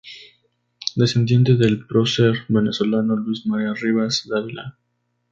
Descendiente del prócer venezolano Luis María Rivas Dávila.